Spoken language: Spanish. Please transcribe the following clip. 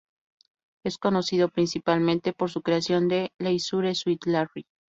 Es conocido principalmente por su creación de "Leisure Suit Larry".